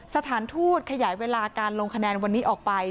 สถานทูตขยายเวลาการลงคะแนนวันนี้ออกไป